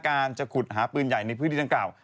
การจะขุดหาปืนใหญ่ในพื้นที่ดังกล่าว